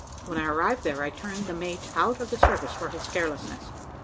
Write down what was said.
When I arrived there, I turned the mate out of the service for his carelessness.